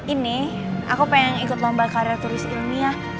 ini aku pengen ikut lomba karya turis ilmiah